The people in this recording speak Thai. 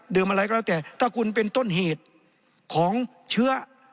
อะไรก็แล้วแต่ถ้าคุณเป็นต้นเหตุของเชื้อ